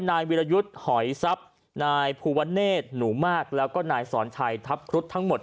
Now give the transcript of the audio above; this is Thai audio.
นายวิรยุทธ์หอยทรัพย์นายภูวะเนธหนูมากแล้วก็นายสอนชัยทัพครุฑทั้งหมด